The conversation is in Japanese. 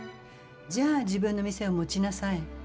じゃあ自分の店を持ちなさい。